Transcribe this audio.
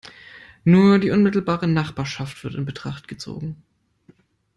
Nur die unmittelbare Nachbarschaft wird in Betracht gezogen.